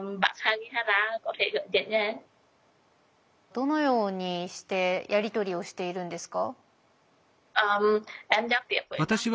どのようにしてやり取りをしているんですか？